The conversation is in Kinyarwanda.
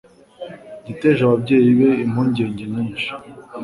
Yateje ababyeyi be impungenge nyinshi.